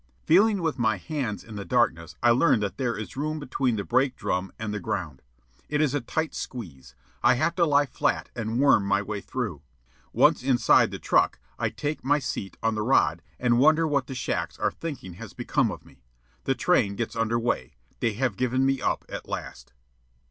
Feeling with my hands in the darkness, I learn that there is room between the brake beam and the ground. It is a tight squeeze. I have to lie flat and worm my way through. Once inside the truck, I take my seat on the rod and wonder what the shacks are thinking has become of me. The train gets under way. They have given me up at last.